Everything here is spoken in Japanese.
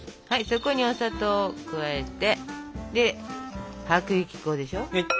そこにお砂糖を加えてで薄力粉でしょ。